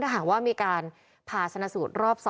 หากว่ามีการผ่าชนะสูตรรอบ๒